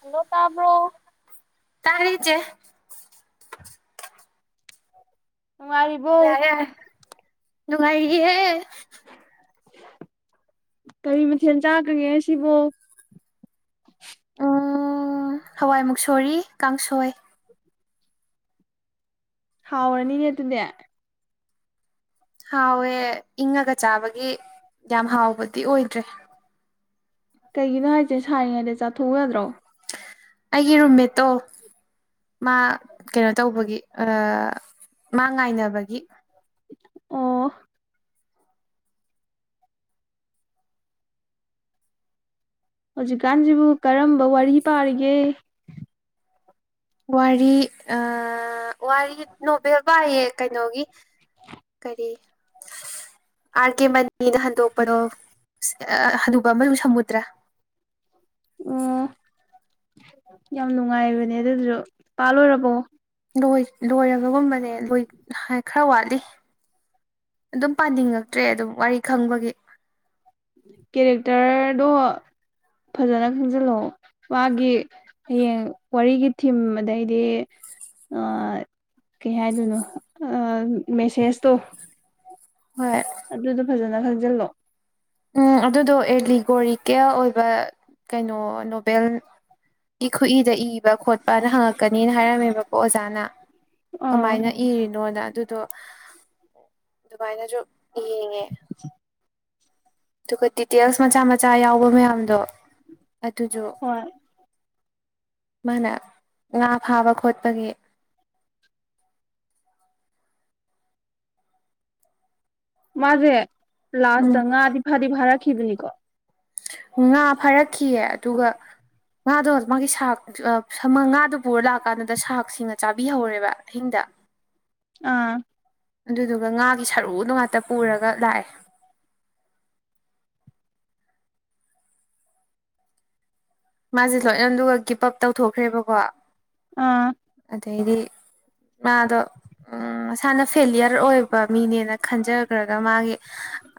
hello ꯇꯕ꯭ꯣꯔ ꯇꯔꯦ ꯆꯦ ꯅꯨꯡꯉꯥꯏꯔꯤꯕꯣ ꯌꯥꯔꯦ ꯌꯥꯔꯦ ꯅꯨꯡꯉꯥꯏꯔꯤꯍꯦ ꯀꯔꯤ ꯃꯊꯦꯜ ꯆꯥꯈꯒꯦ ꯉꯁꯤꯕꯨ ꯎꯝ ꯍꯋꯥꯏ ꯃꯨꯛꯁꯣꯔꯤ ꯀꯥꯡꯁꯣꯏ ꯍꯥꯎꯔꯅꯤꯅꯦ ꯑꯗꯨꯗꯤ ꯍꯥꯎꯋꯦ ꯏꯪꯉꯒ ꯆꯥꯕꯒꯤ ꯌꯥꯝ ꯍꯥꯎꯕꯗꯤ ꯑꯣꯏꯗ꯭ꯔꯦ ꯀꯩꯒꯤꯅꯣ ꯍꯥꯏꯁꯦ ꯁꯥꯔꯤꯉꯩꯗ ꯆꯥꯊꯣꯛꯎ ꯌꯥꯗ꯭ꯔꯣ ꯑꯩꯒꯤ ꯔꯨꯝꯃꯦꯠꯇꯣ ꯃꯥ ꯀꯩꯅꯣ ꯇꯧꯕꯒꯤ ꯑꯥ ꯃꯥ ꯉꯥꯏꯅꯕꯒꯤ ꯑꯣ ꯍꯧꯖꯤꯛꯀꯥꯟꯁꯤꯕꯨ ꯀꯔꯝꯕ ꯋꯥꯔꯤ ꯄꯥꯔꯤꯒꯦ ꯋꯥꯔꯤ ꯑ ꯋꯥꯔꯤ ꯅꯣꯕꯦꯜ ꯄꯥꯏꯑꯦ ꯀꯩꯅꯣꯒꯤ ꯀꯔꯤ ꯑꯥꯔ ꯀꯦ ꯃꯅꯤꯅ ꯍꯟꯗꯣꯛꯄꯗꯣ ꯍꯟꯕ ꯑꯃꯁꯨ ꯁꯝꯃꯨꯗ꯭ꯔꯥ ꯑꯣ ꯌꯥꯝ ꯅꯨꯡꯉꯥꯏꯕꯅꯦ ꯑꯗꯨꯗꯨꯁꯨ ꯄꯥꯜꯂꯣꯏꯔꯕꯣ ꯂꯣꯏ ꯂꯣꯏꯔꯒꯒꯨꯝꯕꯅꯦ ꯂꯣꯏ ꯈꯔ ꯋꯥꯠꯂꯤ ꯑꯗꯨꯝ ꯄꯥꯅꯤꯡꯉꯛꯇ꯭ꯔꯦ ꯑꯗꯨꯝ ꯋꯥꯔꯤ ꯈꯪꯕꯒꯤ ꯀꯦꯔꯦꯛꯇꯔꯗꯣ ꯐꯖꯅ ꯈꯪꯖꯤꯜꯂꯛꯑꯣ ꯃꯥꯒꯤ ꯍꯌꯦꯡ ꯋꯥꯔꯤꯒꯤ ꯊꯤꯝ ꯑꯗꯩꯗꯤ ꯑꯥ ꯀꯩ ꯍꯥꯏꯗꯣꯏꯅꯣ ꯑꯥ ꯃꯦꯁꯦꯁꯇꯣ ꯍꯣꯏ ꯑꯗꯨꯗꯣ ꯐꯖꯅ ꯈꯪꯖꯤꯜꯂꯣ ꯎꯝ ꯑꯗꯨꯗꯣ ꯑꯦꯂꯤꯒꯣꯔꯤꯀꯦꯜ ꯑꯣꯏꯕ ꯀꯩꯅꯣ ꯅꯣꯕꯦꯜ ꯏ ꯈꯨꯏꯗ ꯏꯕ ꯈꯣꯠꯄꯅ ꯍꯪꯉꯛꯀꯅꯤꯅ ꯍꯥꯏꯔꯝꯃꯦꯕꯀꯣ ꯑꯣꯖꯥꯅ ꯑꯥ ꯀꯃꯥꯏꯅ ꯏꯔꯤꯅꯣꯅ ꯑꯗꯨꯗꯣ ꯑꯗꯨꯃꯥꯏꯅꯁꯨ ꯌꯦꯡꯉꯦ [inaudible] ꯑꯗꯨꯒ ꯗꯤꯇꯦꯜꯁ ꯃꯆꯥ ꯃꯆꯥ ꯌꯥꯎꯕ ꯃꯌꯥꯝꯗꯣ ꯑꯗꯨꯁꯨ ꯍꯣꯏ ꯃꯥꯅ ꯉꯥ ꯐꯥꯕ ꯈꯣꯠꯄꯒꯤ ꯃꯥꯁꯦ ꯂꯥꯁꯇ ꯎꯝ ꯉꯥꯗꯤ ꯐꯥꯗꯤ ꯐꯥꯔꯛꯈꯤꯕꯅꯤꯀꯣ ꯉꯥ ꯐꯥꯔꯛꯈꯤꯌꯦ ꯑꯗꯨꯒ ꯉꯥꯗꯣ ꯃꯥꯒꯤ ꯁꯥꯛ ꯁꯥꯃ ꯉꯥꯗꯨ ꯄꯨꯔ ꯂꯥꯛꯀꯥꯟꯗꯨꯗ ꯁꯥꯛꯁꯤꯡꯅ ꯆꯥꯕꯤꯍꯧꯔꯦꯕ ꯑꯍꯤꯡꯗ ꯑꯥ ꯑꯗꯨꯗꯨꯒ ꯉꯥꯒꯤ ꯁꯔꯨꯗꯣ ꯉꯥꯛꯇ ꯄꯨꯔꯒ ꯂꯥꯛꯑꯦ ꯃꯥꯁꯦ ꯂꯣꯏꯅ ꯑꯗꯨꯒ ꯀꯤꯞ ꯑꯞ ꯇꯧꯊꯣꯛꯈ꯭ꯔꯦꯕꯀꯣ ꯑꯥ ꯑꯗꯩꯗꯤ ꯃꯥꯗꯣ ꯎꯝ ꯃꯁꯥꯅ ꯐꯦꯂꯤꯌꯔ ꯑꯣꯏꯕ ꯃꯤꯅꯦꯅ ꯈꯟꯖꯈ꯭ꯔꯒ ꯃꯥꯒꯤ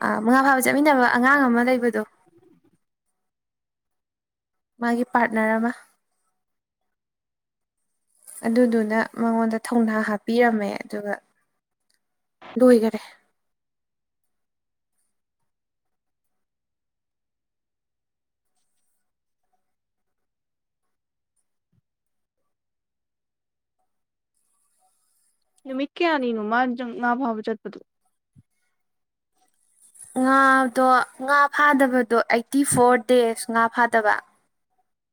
ꯑ ꯃꯉꯥ ꯐꯥꯕ ꯆꯠꯃꯤꯟꯅꯕ ꯑꯉꯥꯡ ꯑꯃ ꯂꯩꯕꯗꯣ ꯃꯥꯒꯤ ꯄꯥꯔꯠꯅꯔ ꯑꯃ ꯑꯗꯨꯗꯨꯅ ꯃꯉꯣꯟꯗ ꯊꯧꯅꯥ ꯍꯥꯞꯄꯤꯔꯝꯃꯦ ꯑꯗꯨꯒ ꯂꯣꯏꯈꯔꯦ ꯅꯨꯃꯤꯠ ꯀꯌꯥꯅꯤꯅꯣ ꯃꯥ ꯖꯪ ꯉꯥ ꯐꯥꯕ ꯆꯠꯄꯗꯨ ꯉꯥꯗꯣ ꯉꯥ ꯐꯥꯗꯕꯗꯣ ꯑꯩꯠꯇꯤ ꯐꯣꯔ ꯗꯦꯖ ꯉꯥ ꯐꯥꯗꯕ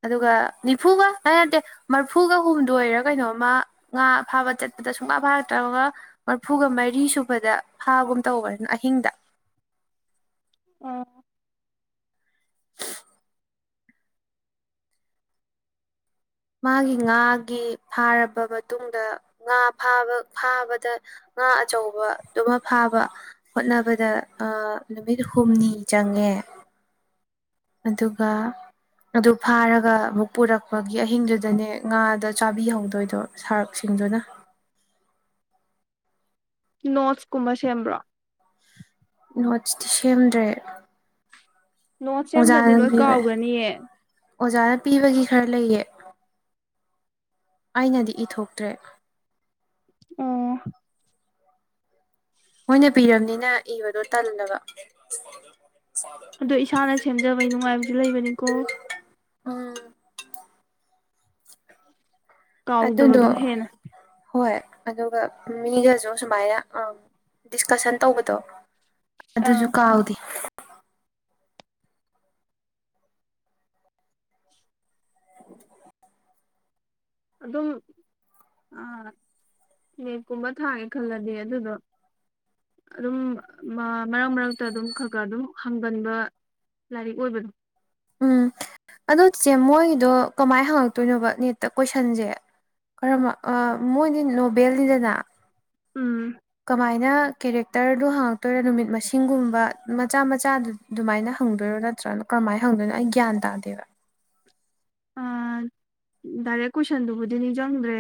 ꯑꯗꯨꯒ ꯅꯤꯐꯨꯒ ꯅꯠꯇꯦ ꯃꯔꯐꯨꯒ ꯍꯨꯝꯗꯣꯏꯔ ꯀꯩꯅꯣꯝꯃ ꯉꯥ ꯐꯥꯕ ꯆꯠꯄꯗ ꯁꯨꯡꯐꯥ ꯐꯥꯔꯛ ꯇꯧꯔꯒ ꯃꯔꯐꯨꯒ ꯃꯔꯤ ꯁꯨꯕꯗ ꯍꯥꯥꯒꯨꯝ ꯇꯧꯕꯅꯤꯅ ꯑꯍꯤꯡꯗ ꯑꯣ ꯃꯥꯒꯤ ꯉꯥꯒꯤ ꯐꯥꯔꯕ ꯃꯇꯨꯡꯗ ꯉꯥ ꯐꯥꯕ ꯐꯥꯕ ꯗ ꯉꯥ ꯑꯆꯧꯕꯗꯨꯃ ꯐꯥꯕ ꯍꯣꯠꯅꯕꯗ ꯅꯨꯃꯤꯠ ꯍꯨꯝꯅꯤ ꯆꯪꯉꯦ ꯑꯗꯨꯒ ꯑꯗꯨ ꯐꯥꯔꯒ ꯑꯃꯨꯛ ꯄꯨꯔꯛꯄꯒꯤ ꯑꯍꯤꯡꯗꯨꯗꯅꯦ ꯉꯥꯗꯣ ꯆꯥꯕꯤꯍꯧꯗꯣꯏꯗꯣ ꯁꯥꯔꯛꯁꯤꯡꯗꯨꯅ ꯅꯣꯠꯁ ꯀꯨꯝꯕ ꯁꯦꯝꯕ꯭ꯔꯣ ꯅꯣꯠꯁꯇꯤ ꯁꯦꯝꯗ꯭ꯔꯦ ꯅꯣꯠ ꯁꯦꯝꯗꯗꯤ ꯑꯣꯖꯥꯅ ꯂꯣꯏ ꯄꯤꯕ ꯀꯥꯎꯈ꯭ꯔꯅꯤꯌꯦ ꯑꯣꯖꯥꯅ ꯄꯤꯕꯒꯤ ꯈꯔ ꯂꯩꯌꯦ ꯑꯩꯅꯗꯤ ꯏꯊꯣꯛꯇ꯭ꯔꯦ ꯑꯣ ꯃꯣꯏꯅ ꯄꯤꯔꯕꯅꯤꯅ ꯏꯕꯗꯣ ꯇꯜꯂꯕ ꯑꯗꯣ ꯏꯁꯥꯅ ꯁꯦꯝꯖꯕꯩ ꯅꯨꯡꯉꯥꯏꯕꯁꯨ ꯂꯩꯕꯅꯤꯀꯣ ꯎꯝ ꯑꯗꯨꯗꯣ ꯀꯥꯎꯗꯕꯗꯣ ꯍꯦꯟꯅ ꯍꯣꯏ ꯑꯗꯨꯒ ꯃꯤꯗꯁꯨ ꯁꯨꯃꯥꯏꯅ ꯗꯤꯁꯀꯁꯟ ꯇꯧꯕꯗꯣ ꯑꯥ ꯑꯗꯨꯁꯨ ꯀꯥꯎꯗꯦ ꯎ ꯑꯗꯨꯝ ꯑꯥ ꯅꯦꯦꯛꯀꯨꯝꯕ ꯊꯥꯒꯦ ꯈꯜꯂꯗꯤ ꯑꯗꯨꯗꯣ ꯑꯗꯨꯝ ꯃꯔꯛ ꯃꯔꯛꯇ ꯑꯗꯨꯝ ꯈꯔ ꯈꯔ ꯑꯗꯨꯝ ꯍꯪꯒꯟꯕ ꯂꯥꯏꯔꯤꯛ ꯑꯣꯏꯕꯅꯣ ꯎꯝ ꯑꯣ ꯏꯆꯦ ꯃꯣꯏꯒꯤꯗꯣ ꯀꯃꯥꯏꯅ ꯍꯪꯉꯛꯇꯣꯏꯅꯣꯕ ꯅꯦꯠꯇ ꯀꯣꯏꯁꯟꯁꯦ ꯀꯔ ꯃꯣꯏꯗꯤ ꯅꯣꯕꯦꯜꯅꯤꯗꯅ ꯎꯝ ꯀꯃꯥꯏꯅ ꯀꯦꯔꯦꯛꯇꯔꯗꯨ ꯍꯥꯡꯉꯛꯇꯣꯏꯔ ꯅꯨꯃꯤꯠ ꯃꯁꯤꯡꯒꯨꯝꯕ ꯃꯆꯥ ꯃꯆꯥꯗꯨ ꯑꯗꯨꯃꯥꯏꯅ ꯍꯪꯗꯣꯏꯔꯣ ꯅꯠꯇ꯭ꯔꯅ ꯀꯔꯝꯥꯏꯅ ꯍꯪꯗꯣꯏꯅꯣ ꯑꯩ ꯒ꯭ꯌꯥꯟ ꯇꯥꯗꯦꯕ ꯑꯥ [unintelligible] ꯗꯥꯏꯔꯦꯛ ꯀꯣꯏꯁꯟꯗꯨꯕꯨꯗꯤ ꯅꯤꯡꯁꯤꯡꯗ꯭ꯔꯦ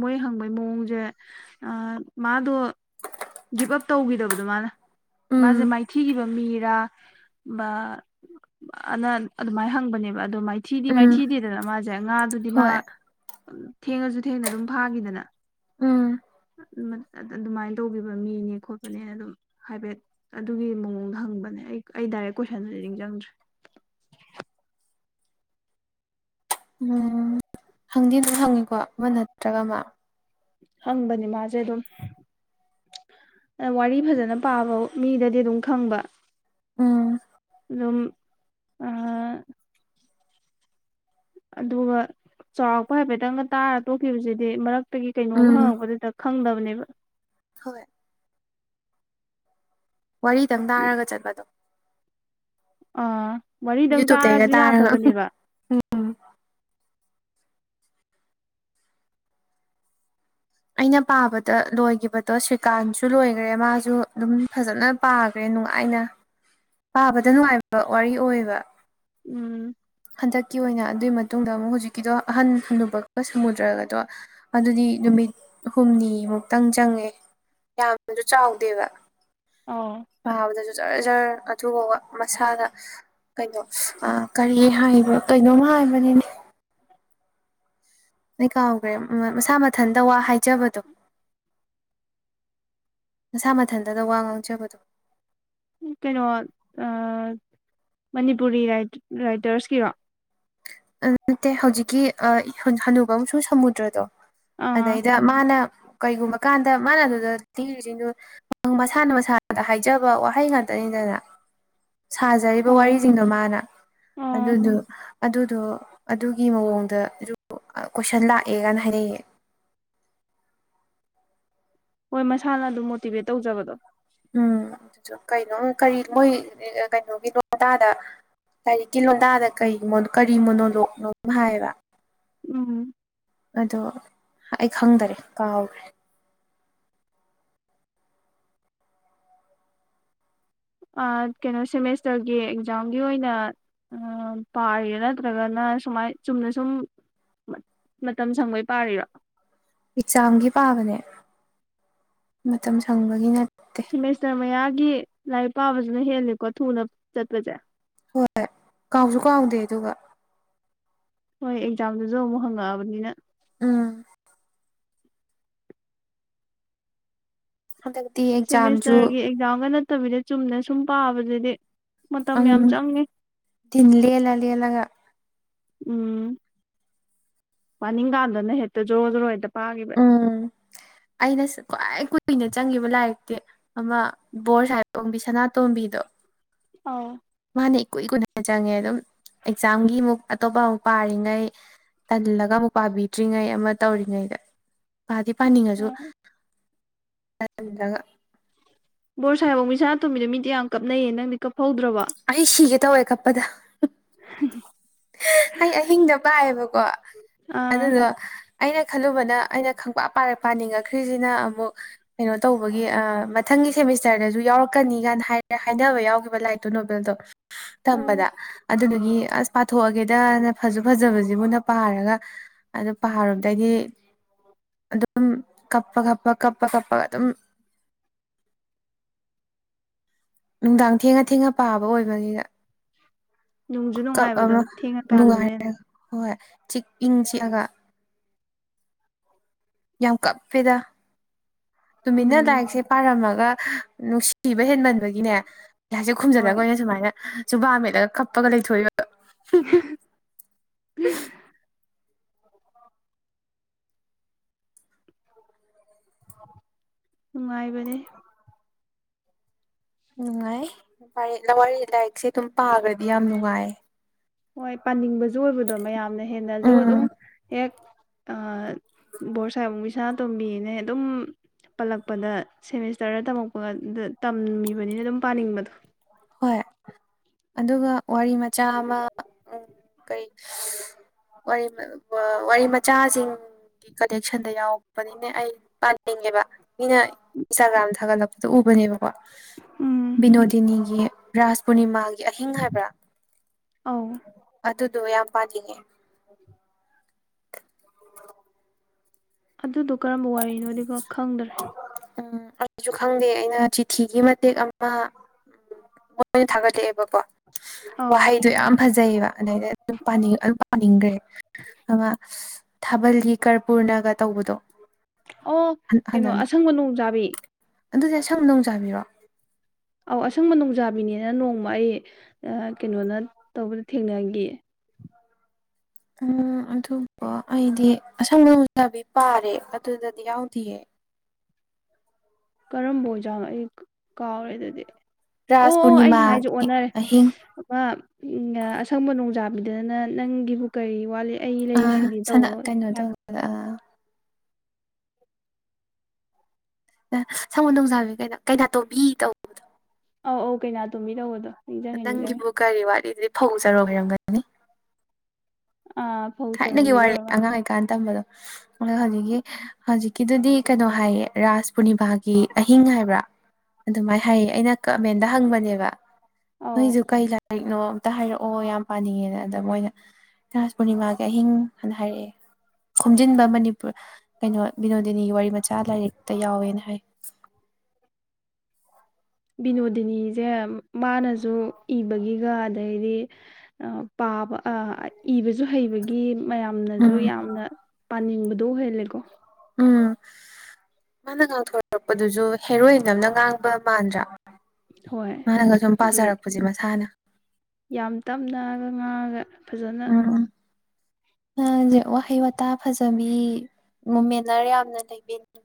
ꯃꯣꯏ ꯍꯪꯕꯩ ꯃꯑꯣꯡꯁꯦ ꯃꯥꯗꯣ ꯒꯤꯞ ꯑꯞ ꯇꯧꯈꯤꯗꯕꯗꯣ ꯃꯥꯅ ꯎꯝ ꯃꯥꯁꯦ ꯃꯥꯏꯊꯤꯈꯤꯕ ꯃꯤꯔꯥ ꯑꯅ ꯑꯗꯨꯃꯥꯏꯅ ꯍꯪꯕꯅꯦꯕ ꯑꯣ ꯃꯥꯏꯊꯤꯗꯤ ꯎꯝ ꯃꯥꯏꯊꯤꯗꯤꯗꯅ ꯃꯥꯁꯦ ꯁꯦ ꯉꯥꯗꯨꯗꯤ ꯃꯥ ꯍꯣꯏ ꯊꯦꯡꯉꯁꯨ ꯊꯦꯡꯅ ꯑꯗꯨꯝ ꯐꯥꯈꯤꯗꯅ ꯎꯝ ꯑꯗꯨꯃꯥꯏꯅ ꯇꯧꯕꯤꯕ ꯃꯤꯅꯦ ꯈꯣꯠꯄꯅꯦ ꯑꯗꯨꯝ ꯍꯥꯏꯐꯦꯠ ꯑꯗꯨꯒꯤ ꯃꯑꯣꯡꯗ ꯍꯪꯕꯅꯦ ꯑꯩ ꯑꯩ ꯗꯥꯏꯔꯦꯛ ꯀꯣꯏꯁꯟꯗꯨꯗꯤ ꯅꯤꯡꯁꯤꯡꯪꯗ꯭ꯔꯦ ꯎꯝ ꯍꯪꯗꯤ ꯑꯗꯨꯝ ꯍꯪꯉꯤꯀꯣ ꯑꯃ ꯅꯠꯇ꯭ꯔꯒ ꯑꯃ ꯍꯪꯕꯅꯤ ꯃꯥꯁꯦ ꯑꯗꯨꯝ ꯋꯥꯔꯤ ꯐꯖꯅ ꯄꯥꯕ ꯃꯤꯗꯗꯤ ꯑꯗꯨꯝ ꯈꯪꯕ ꯎꯝ ꯑꯗꯨꯝ ꯑꯗꯨꯒ ꯆꯥꯎꯔꯥꯛꯄ ꯍꯥꯏꯐꯦꯠꯇꯪꯒ ꯇꯥꯔ ꯇꯣꯛꯈꯤꯕꯁꯤꯗꯤ ꯃꯔꯛꯇꯒꯤ ꯀꯩꯅꯣꯝ ꯎꯝ ꯍꯪꯉꯛꯄꯗꯗ ꯈꯪꯗꯕꯅꯦꯕ ꯍꯣꯏ ꯋꯥꯔꯤꯗꯪ ꯇꯥꯔꯒ ꯆꯠꯄꯗꯣ ꯑꯥ ꯋꯥꯔꯤꯗꯪ ꯌꯨꯇꯨꯕꯇꯩꯒ ꯇꯥꯔꯁꯨ ꯇꯥꯔꯒ ꯌꯥꯗꯕꯅꯦꯕ ꯎꯝ ꯑꯩꯅ ꯄꯥꯕꯗ ꯂꯣꯏꯈꯤꯕꯗꯣ ꯁ꯭ꯔꯤꯀꯥꯟꯁꯨ ꯂꯣꯏꯈ꯭ꯔꯦ ꯃꯥꯁꯨ ꯑꯗꯨꯝ ꯐꯖꯅ ꯄꯥꯈ꯭ꯔꯦ ꯅꯨꯡꯉꯥꯏꯅ ꯄꯥꯕꯗ ꯅꯨꯡꯉꯥꯏꯕ ꯋꯥꯔꯤ ꯑꯣꯏꯌꯦꯕ ꯎꯝ ꯍꯟꯗꯛꯀꯤ ꯑꯣꯏꯅ ꯑꯗꯨꯒꯤ ꯃꯇꯨꯡꯗ ꯑꯃꯨꯛ ꯍꯧꯖꯤꯛꯀꯤꯗꯣ ꯑꯍꯟ ꯍꯨꯕꯒ ꯁꯃꯨꯗ꯭ꯔꯒꯗꯣ ꯑꯗꯨꯗꯤ ꯅꯨꯃꯤꯠ ꯍꯨꯝꯅꯤ ꯃꯨꯛꯇꯪ ꯆꯪꯉꯦ ꯌꯥꯝꯁꯨ ꯆꯥꯎꯗꯦꯕ ꯑꯣ ꯄꯥꯕꯗꯁꯨ ꯖꯔ ꯖꯔ ꯑꯗꯨꯒꯕ ꯃꯁꯥꯗ ꯀꯩꯅꯣ ꯀꯔꯤ ꯍꯥꯏꯕꯣ ꯀꯩꯅꯣꯝꯃ ꯍꯥꯏꯕꯅꯤꯅꯦ ꯅ ꯀꯥꯎꯈ꯭ꯔꯦ ꯃꯁꯥ ꯃꯊꯟꯇ ꯋꯥ ꯍꯥꯏꯖꯕꯗꯣ ꯅꯁꯥ ꯃꯊꯟꯇꯗ ꯋꯥ ꯉꯥꯡꯖꯕꯗꯣ ꯀꯩꯅꯣ ꯃꯅꯤꯄꯨꯔꯤ ꯔꯥꯏꯇꯔꯁꯀꯤꯔꯣ ꯑꯗꯨ ꯅꯠꯇꯦ ꯍꯧꯖꯤꯛꯀꯤ ꯍꯅꯨꯕ ꯑꯃꯁꯨꯡ ꯁꯃꯨꯗ꯭ꯔꯗꯣ ꯑꯥ ꯑꯗꯩꯗ ꯃꯥꯅ ꯀꯩꯒꯨꯝꯕ ꯀꯥꯟꯗ ꯃꯥꯅ ꯑꯗꯨꯗ ꯊꯤꯔꯤꯁꯤꯡꯗꯨꯣ ꯅꯪ ꯃꯁꯥꯅ ꯃꯁꯥꯗ ꯍꯥꯏꯖꯕ ꯋꯥꯍꯩ ꯉꯥꯛꯇꯅꯤꯗꯅ ꯁꯥꯖꯔꯤꯕ ꯑꯣ ꯋꯥꯔꯤꯁꯤꯡꯗꯣ ꯃꯥꯅ ꯑꯣ ꯑꯗꯨꯗꯨꯣ ꯑꯗꯨ ꯑꯗꯣ ꯑꯗꯨꯒꯤ ꯃꯑꯣꯡꯗꯁꯨ ꯀꯣꯏꯁꯟ ꯂꯥꯛꯑꯦꯒꯅ ꯍꯥꯏꯔꯛꯑꯦ ꯍꯣꯏ ꯃꯁꯥꯅ ꯑꯗꯨꯝ ꯃꯣꯇꯤꯚꯦꯠ ꯇꯧꯖꯕꯗꯣ ꯎꯝ ꯑꯗꯨꯁꯨ ꯀꯩꯅꯣ ꯀꯔꯤ ꯃꯣꯏ ꯀꯩꯅꯣꯒꯤꯅꯣ ꯑꯗꯥꯗ ꯀꯥꯏꯔꯤꯛꯀꯤ ꯂꯣꯟꯗꯥꯗ ꯀ ꯀꯔꯤ ꯃꯣꯅꯣꯂꯣꯛꯅꯣ ꯍꯥꯏꯌꯦꯕ ꯎꯝ ꯑꯗꯣ ꯑꯩ ꯈꯪꯗꯔꯦ ꯀꯥꯎꯈꯔ꯭ꯦ ꯀꯩꯅꯣ ꯁꯦꯃꯦꯁꯇꯔꯒꯤ ꯑꯦꯛꯖꯥꯝꯒꯤ ꯑꯣꯏꯅ ꯑ ꯄꯥꯏꯌꯦꯦ ꯅꯠꯇ꯭ꯔꯒꯅ ꯁꯨꯃꯥꯏ ꯆꯨꯝꯅ ꯁꯨꯝ ꯃꯇꯝ ꯁꯪꯕꯩ ꯄꯥꯔꯤꯔꯣ ꯑꯦꯛꯖꯥꯝꯒꯤ ꯄꯥꯕꯅꯦ ꯃꯇꯝ ꯁꯪꯕꯒꯤꯅ ꯁꯤꯦꯃꯦꯁꯇꯔ ꯃꯌꯥꯒꯤ ꯂꯥꯏꯔꯤꯛ ꯄꯥꯕꯕꯁꯤꯅ ꯍꯦꯜꯂꯤꯀꯣ ꯊꯨꯅ ꯆꯠꯄꯁꯦ ꯍꯣꯏ ꯍꯣꯏ ꯀꯥꯎꯁꯨ ꯀꯥꯎꯗꯦ ꯑꯗꯨꯒ ꯍꯣꯏ ꯑꯦꯛꯖꯥꯝꯗꯨꯁꯨ ꯑꯃꯨꯛ ꯍꯪꯉꯛꯑꯕꯅꯤꯅ ꯎꯝ ꯍꯗꯗꯤ ꯁꯦꯃꯦꯁꯇꯔꯒꯤ ꯑꯦꯛꯖꯥꯝꯒ ꯅꯠꯇꯕꯤꯗ ꯆꯨꯝꯅ ꯁꯨꯝ ꯄꯥꯕꯗꯗꯤ ꯑꯝ ꯗꯤꯟ ꯂ‌ꯦꯜꯂ ꯂ‌ꯦꯜꯂꯒ ꯎꯝ ꯄꯥꯅꯤꯡꯀꯥꯟꯗꯅ ꯍꯦꯛꯇ ꯖꯣꯔꯣ ꯖꯣꯔꯣ ꯍꯦꯛꯇ ꯄꯥꯒꯤꯕ ꯎꯝ ꯑꯩꯅꯁꯨ ꯈ꯭ꯋꯥꯏ ꯀꯨꯏꯅ ꯆꯪꯒꯤꯕ ꯂꯥꯏꯔꯤꯛꯇꯤ ꯑꯃ ꯕꯣꯔ ꯁꯥ-ꯍ‌ꯦꯞ ꯑꯣꯡꯕꯤ ꯁꯅꯥꯇꯣꯝꯕꯤꯗ‌ꯣ ꯑꯧ ꯃꯥꯅ‌ꯦ ꯀꯨꯏ ꯀꯨꯏꯅ ꯆꯪꯉꯦ ꯑꯗꯨꯝ ꯑꯦꯛꯖꯥꯝꯒꯤ ꯑꯃꯨꯛ ꯑꯇꯣꯞꯄ ꯑꯃꯨꯛ ꯄꯥꯔꯤꯉꯩ ꯇꯜꯂꯒ ꯑꯃꯨꯛ ꯄꯥꯕꯤꯗ꯭ꯔꯤꯉꯩ ꯑꯃ ꯇꯧꯔꯤꯉꯩꯗ ꯄꯥꯗꯤ ꯄꯥꯅꯤꯡꯉꯁꯨ ꯍꯣꯏ ꯇꯜꯂꯒ ꯕꯣꯔ ꯁꯥꯥ-ꯍ‌ꯦꯞ ꯑꯣꯡꯕꯤ ꯁꯅꯥꯇꯣꯝꯕꯤꯗ‌ꯣ ꯃꯤꯗꯤ ꯌꯥꯝ ꯀꯞꯅꯩꯌꯦ ꯅꯪꯗꯤ ꯀꯞꯐꯧꯗ꯭ꯔꯕ‌ꯣ ꯑꯩ ꯁꯤꯒꯦ ꯇꯧꯋꯦ ꯀꯞꯄꯗ ꯍꯨꯝ ꯍꯨꯝ ꯑꯩ ꯑꯍꯤꯡꯗ ꯄꯥꯏꯑꯦꯕꯀꯣ ꯑꯣ ꯑꯗꯨꯗꯣ ꯑꯩꯅ ꯈꯜꯂꯨꯕꯅ ꯑꯩꯅ ꯈꯪꯄꯥꯛ ꯄꯥꯔꯛ ꯄꯥꯅꯤꯡꯉꯛꯈ꯭ꯔꯤꯁꯤꯅ ꯑꯃꯨꯛ ꯀꯩꯅꯣ ꯇꯧꯕꯒꯤ ꯑ ꯃꯊꯪꯒꯤ ꯁꯦꯃꯤꯁꯇꯔꯗꯁꯨ ꯌꯥꯎꯔꯛꯀꯅꯤ ꯀꯥꯏꯅ ꯍꯥꯏꯔ ꯍꯥꯏꯅꯕ ꯌꯥꯎꯈꯤꯕ ꯂꯥꯏꯔꯤꯛ ꯑꯗꯨ ꯅꯣꯕꯦꯜꯗꯣ ꯇꯝꯕꯗ ꯑꯗꯨꯗꯨꯒꯤ ꯑꯁ ꯄꯥꯊꯣꯛꯑꯒꯦꯗꯅ ꯐꯁꯨ ꯐꯖꯕꯖꯤꯕꯨꯅ ꯄꯥꯔꯒ ꯑꯗꯨ ꯄꯥꯔꯨꯕꯗꯒꯤ ꯑꯗꯨꯝ ꯀꯞꯄ ꯀꯞꯄ ꯀꯞꯄ ꯀꯞꯄꯒ ꯑꯗꯨꯝ ꯅꯨꯡꯗꯥꯡ ꯊꯦꯡꯉ ꯊꯦꯡꯉ ꯄꯥꯕ ꯑꯣꯏꯕꯒꯤꯒ ꯅꯨꯡꯁꯨ ꯈꯨꯀꯞ ꯅꯨꯡꯉꯥꯏꯕꯗꯣ ꯑꯃ ꯊꯦꯡꯉꯀꯥꯟꯗꯅ ꯅꯨꯡꯉꯥꯏꯔ ꯍꯦꯟꯅ ꯍꯣꯏ ꯆꯤꯛ ꯏꯪ ꯆꯤꯛꯑꯒ ꯌꯥꯝ ꯀꯞꯄꯦꯗ ꯇꯨꯃꯤꯟꯅ ꯎꯝ ꯂꯥꯏꯔꯤꯛꯁꯦ ꯄꯥꯔꯝꯃꯒ ꯅꯨꯡꯁꯤꯕ ꯍꯦꯟꯃꯟꯕꯒꯤꯅꯦ ꯂꯥꯏꯔꯤꯛꯁ‌ꯦ ꯈꯨꯝꯖꯤꯜꯂꯒ ꯍꯣꯏ ꯑꯣꯏꯅ ꯁꯨꯃꯥꯏꯅ ꯆꯨꯨꯕꯥ ꯃꯦꯠꯂꯒ ꯀꯞꯄꯒ ꯂꯩꯊꯣꯛꯏꯕ [unintelligible] ꯅꯨꯡꯉꯥꯏꯕꯅꯦ ꯅꯨꯡꯉꯥꯏ ꯐꯔꯦ ꯂꯋꯥꯏ ꯂꯥꯏꯔꯤꯛꯁꯦ ꯑꯗꯨꯝ ꯄꯥꯈ꯭ꯔꯗꯤ ꯌꯥꯝ ꯅꯨꯡꯉꯥꯏ ꯍꯣꯏ ꯄꯥꯅꯤꯡꯕꯁꯨ ꯑꯣꯏꯕꯗꯣ ꯃꯌꯥꯝꯅ ꯍꯦꯟꯅꯁꯨ ꯑꯗꯨꯝ ꯎꯝ ꯍꯦꯛ ꯕꯣꯔ ꯁꯥ ꯍ‌ꯦꯞ ꯁꯥꯅꯥꯇꯣꯝꯕꯤꯅꯦ ꯑꯗꯨꯝ ꯄꯜꯂꯛꯄꯗ ꯁꯦꯃꯤꯁꯇꯔꯗ ꯇꯝꯃꯛꯄꯒ ꯇꯝꯃꯤꯕꯅꯤꯅ ꯑꯗꯨꯝ ꯄꯥꯅꯤꯡꯕꯗꯣ ꯍꯣꯏ ꯑꯗꯨꯒ ꯋꯥꯔꯤ ꯃꯆꯥ ꯑꯃ ꯀꯩ ꯋꯥꯔꯤ ꯋꯥꯔꯤ ꯃꯆꯥꯁꯤꯡꯒꯤ ꯀꯂꯦꯛꯁꯟꯗ ꯌꯥꯎꯔꯛꯄꯅꯤꯅ‌ꯦ ꯑꯩ ꯄꯥꯅꯤꯡꯉꯦꯕ ꯃꯤꯅ ꯏꯟꯁꯇꯥꯒ꯭ꯔꯥꯝ ꯊꯥꯒꯠꯂꯛꯄꯗ ꯎꯕꯅꯦꯕꯀꯣ ꯎꯝ ꯕꯤꯅꯣꯗꯤꯅꯤꯒꯤ ꯔꯥꯁ ꯄꯨꯔꯅꯤꯃꯥꯒꯤ ꯑꯍꯤꯡ ꯍꯥꯏꯕ꯭ꯔꯥ ꯑꯧ ꯑꯗꯨꯗꯣ ꯌꯥꯝ ꯄꯥꯅꯤꯡꯉꯦ [inaudible] ꯑꯗꯨꯗꯣ ꯀꯔꯝꯕ ꯋꯥꯔꯤꯅꯣ ꯗꯨꯒ ꯈꯪꯗ꯭ꯔꯦ ꯎꯝ ꯑꯩꯁꯨ ꯈꯪꯗꯦ ꯑꯩꯅ ꯆꯤꯊꯤꯒꯤ ꯃꯇꯦꯛ ꯑꯃ ꯃꯣꯏꯅ ꯊꯥꯒꯠꯂꯛꯑꯦꯕꯀꯣ ꯑꯧ ꯋꯥꯍꯩꯗꯣ ꯌꯥꯝ ꯐꯖꯩꯕ ꯑꯗꯩꯗ ꯑꯗꯨꯝ ꯑꯗꯨꯝ ꯄꯥꯅꯤꯡꯒ꯭ꯔꯦ ꯑꯃ ꯊꯥꯕꯜ ꯀꯔꯄꯨꯔꯅꯒ ꯇꯧꯕꯗꯣ ꯑꯣ ꯀꯩꯅꯣ ꯍꯟꯗꯅ ꯑꯁꯪꯕ ꯅꯣꯡꯖꯥꯕꯤ ꯑꯗꯨꯗꯤ ꯑꯁꯪꯕ ꯅꯣꯡ ꯆꯥꯕꯤꯔꯣ ꯑꯧ ꯑꯁꯪꯕ ꯅꯣꯡꯖꯥꯕꯤꯅꯦꯅ ꯅꯣꯡꯃ ꯑꯩ ꯀꯩꯅꯣꯅ ꯇꯧꯕꯗ ꯊꯦꯡꯅꯈꯤ ꯎꯝ ꯑꯗꯨꯕꯨ ꯑꯩꯗꯤ ꯑꯁꯪꯕ ꯅ‌ꯣꯡꯆꯥꯕꯤ ꯄꯥꯔꯦ ꯑꯗꯨꯗꯗꯤ ꯌꯥꯎꯗꯤꯌꯦ ꯀꯔꯝꯕ ꯑꯣꯏꯖꯥꯅꯣ ꯑꯩ ꯀꯥꯎꯔꯦ ꯑꯗꯨꯗꯤ ꯑꯣ ꯔꯥꯁ ꯑꯣ ꯑꯩꯅ ꯍꯥꯏꯁꯦ ꯄꯨꯔꯅꯤꯃꯥꯒꯤ ꯑꯣꯟꯅꯔꯦ ꯑꯍꯤꯡ ꯑꯃ ꯎꯝ ꯑꯁꯪꯕ ꯅꯣꯡꯖꯥꯕꯤꯗꯗꯅ ꯅꯪꯒꯤꯕꯨ ꯀꯔꯤ ꯋꯥꯠꯂꯤ ꯑꯩ ꯂꯩꯔꯤꯁꯤꯗꯤ ꯁꯅ ꯇꯧꯕꯃ ꯀꯩꯅꯣ ꯍꯥꯏꯕ ꯑ ꯑꯁꯪꯕꯅ‌ꯣꯡꯖꯥꯕꯤ ꯀꯩꯗ ꯀꯩꯅꯥꯇꯣꯝꯕꯤ ꯇꯧꯕꯗꯣ ꯑꯧ ꯑꯧ ꯀꯩꯅꯥꯇꯣꯝꯕꯤ ꯇꯧꯕꯗꯣ ꯅꯤꯡꯁꯤꯡꯉꯦ ꯅꯤꯡꯁꯤꯡꯉꯦ ꯅꯪꯒꯤꯕꯨ ꯀꯔꯤ ꯋꯥꯠꯂꯤ ꯗꯨꯗꯤ ꯐꯧ ꯆꯔꯣꯡ ꯑꯣꯏꯔꯝꯒꯅꯤ ꯑꯥ ꯐꯧ ꯊꯥꯏꯅꯒꯤ ꯆꯔꯣꯡꯒꯤꯗꯣ ꯋꯥꯔꯤ ꯑꯣꯏꯔ ꯃꯥꯜꯂꯦ ꯑꯉꯥꯡ ꯑꯣꯏꯀꯥꯟꯗ ꯇꯝꯕꯗꯣ ꯑꯣ ꯍꯧꯖꯤꯛꯀꯤ ꯍꯧꯖꯤꯛ ꯀꯤꯗꯨꯗꯤ ꯀꯩꯅꯣ ꯍꯥꯏꯌꯦ ꯔꯥꯥꯁ ꯄꯨꯔꯅꯤꯕꯥꯥꯒꯤ ꯑꯍꯤꯡ ꯍꯥꯏꯕ꯭ꯔꯥ ꯑꯗꯨꯃꯥꯏꯅ ꯍꯥꯏꯌꯦ ꯑꯩꯅ ꯀꯃꯦꯟꯗ ꯍꯪꯕꯅꯦꯕ ꯑꯧ ꯅꯣꯏꯁꯨ ꯀꯩ ꯂꯥꯏꯔꯤꯛꯅꯣ ꯑꯝꯇ ꯍꯥꯏꯔꯛꯑꯣ ꯌꯥꯝ ꯄꯥꯅꯤꯡꯉꯦꯅ ꯑꯗ ꯃꯣꯏꯅ ꯔꯥꯁ ꯄꯨꯔꯅꯤꯃꯥ ꯑꯍꯤꯡ ꯍꯥꯏꯅ ꯍꯥꯏꯔꯛꯑꯦ ꯈꯣꯝꯖꯤꯟꯕ ꯃꯅꯤꯄꯨꯔ ꯀꯩꯅꯣ ꯕꯤꯅꯣꯗꯤꯅꯤꯒꯤ ꯋꯥꯔꯤ ꯃꯆꯥ ꯂꯥꯏꯔꯤꯛꯇ ꯌꯥꯎꯋꯦꯅ ꯍꯥꯏ ꯕꯤꯅꯣꯗꯤꯅꯤꯁꯦ ꯃꯥꯅꯁꯨ ꯏꯕꯒꯤꯒ ꯑꯗꯩꯗꯤ ꯑ ꯄꯥꯕ ꯑ ꯏꯕ ꯁꯨ ꯍꯩꯕꯒꯤ ꯃꯌꯥꯝꯅꯁꯨ ꯎꯝ ꯌꯥꯝꯅ ꯄꯥꯅꯤꯡꯕꯗꯣ ꯑꯣꯏꯍꯜꯂꯦꯀꯣ ꯎꯝ ꯃꯥꯅ ꯉꯥꯡꯊꯣꯔꯛꯄꯗꯨꯁꯨ ꯍꯦꯔꯣꯏꯟ ꯑꯃꯅ ꯉꯥꯡꯕ ꯃꯥꯟꯗ꯭ꯔꯥ ꯍꯣꯏ ꯃꯥꯅꯒ ꯁꯨꯝ ꯍꯥꯏꯗꯤ ꯄꯥꯖꯔꯛꯄꯁꯦ ꯃꯁꯥꯅ ꯌꯥꯝ ꯇꯞꯅꯑꯒ ꯉꯥꯡꯉꯒ ꯐꯖꯅ ꯖꯤ ꯋꯥꯍꯩ ꯋꯥꯇꯥ ꯐꯖꯕꯤ ꯃꯣꯃꯦꯂꯔ ꯌꯥꯝꯅ ꯂꯩꯕꯅꯤ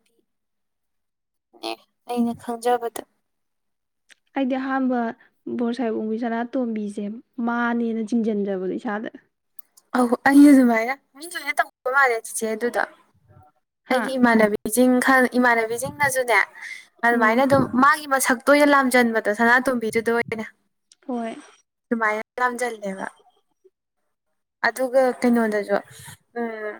ꯑꯦ ꯑꯩꯅ ꯈꯪꯖꯕꯗ ꯑꯩꯗꯤ ꯑꯍꯥꯟꯕ ꯕꯣꯔꯁꯥꯏꯕ ꯑꯣꯡꯕꯤ ꯁꯅꯥꯇꯣꯝꯕꯤꯁꯦ ꯃꯥꯅꯦꯅ ꯆꯤꯡꯁꯤꯟꯖꯕꯅꯦ ꯏꯁꯥꯗ ꯑꯍꯣꯏ ꯑꯩ ꯑꯗꯨꯃꯥꯏꯅ ꯃꯤꯡ ꯁꯣꯏꯅ ꯇꯧꯕ ꯃꯥꯜꯂꯦ ꯆꯤꯆꯦ ꯑꯗꯨꯗ ꯍꯥ ꯑꯩꯒꯤ ꯏꯃꯥꯟꯅꯕꯤ ꯏꯁꯤꯡ ꯈ ꯏꯃꯥꯟꯅꯕꯤꯁꯤꯡꯅꯁꯨꯅꯦ ꯑꯗꯨꯃꯥꯏꯅ ꯎꯝ ꯑꯗꯨꯝ ꯃꯥꯒꯤ ꯃꯁꯛꯇꯣꯏ ꯑꯣꯏꯅ ꯂꯥꯝꯖꯟꯕ ꯑꯗꯣ ꯁꯅꯥꯇꯣꯝꯕꯤꯗꯨꯗ ꯑꯣꯏꯅ ꯍꯣꯏ ꯁꯨꯃꯥꯏꯅ ꯂꯥꯝꯁꯤꯜꯂꯦꯕ ꯑꯗꯨꯒ ꯀꯩꯅꯣꯗꯁꯨ ꯎꯝ